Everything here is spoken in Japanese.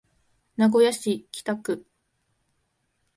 名古屋市北区